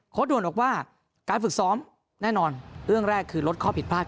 ด่วนบอกว่าการฝึกซ้อมแน่นอนเรื่องแรกคือลดข้อผิดพลาด